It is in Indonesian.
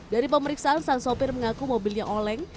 dari pemeriksaan sang sopir mengaku mobilnya oleng